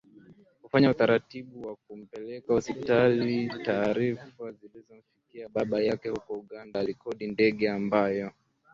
kufanya utaratibu wa kumpeleka hospitali Taarifa zilipomfikia baba yake huko Uganda alikodi Ndege ambayo